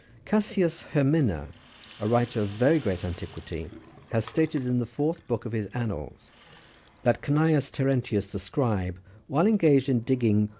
Cassius Hemina, a writer of very great antiquity, has stated in the Fourth Book of his Annals, that Cneius Terentius, the scribe, while engaged in digging on his 2S See B.